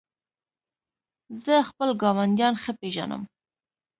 زه خپل ګاونډیان ښه پېژنم.